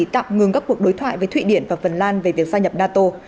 tạm ngừng các cuộc đối thoại với thụy điển và phần lan về việc gia nhập nato